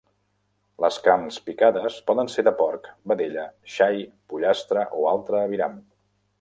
Les carns picades poden ser de porc, vedella, xai, pollastre o altre aviram.